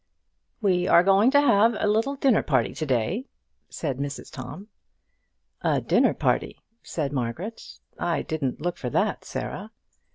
"We are going to have a little dinner party to day," said Mrs Tom. "A dinner party!" said Margaret. "I didn't look for that, Sarah."